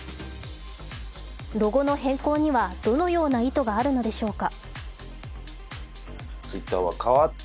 ロゴの変更には、どのような意図があるのでしょうか？